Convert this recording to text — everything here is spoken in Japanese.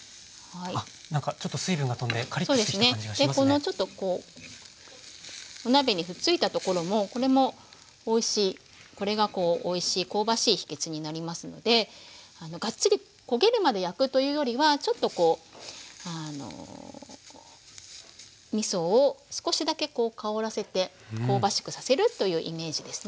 このちょっとこうお鍋にひっついたところもこれもおいしいこれがこうおいしい香ばしい秘けつになりますのでがっちり焦げるまで焼くというよりはちょっとこうあのみそを少しだけ香らせて香ばしくさせるというイメージですね。